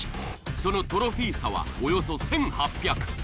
そのトロフィー差はおよそ１，８００。